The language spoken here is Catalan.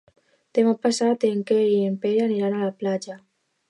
Demà passat en Quer i en Pere aniran a la platja.